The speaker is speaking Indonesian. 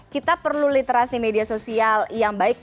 kita perlu literasi media sosial yang baik